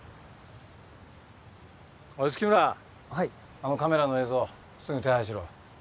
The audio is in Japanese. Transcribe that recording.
あのカメラの映像すぐに手配しろ。